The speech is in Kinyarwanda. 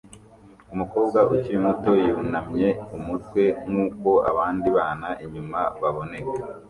Umukobwa ukiri muto yunamye umutwe nkuko abandi bana inyuma baboneka